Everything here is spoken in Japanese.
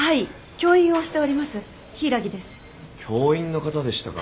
教員の方でしたか。